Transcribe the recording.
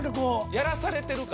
やらされてる感。